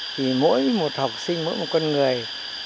thì mỗi một học sinh mỗi một con người